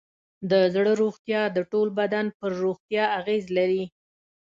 د زړه روغتیا د ټول بدن پر روغتیا اغېز لري.